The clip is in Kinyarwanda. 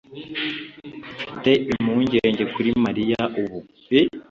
Mfite impungenge kuri Mariya ubu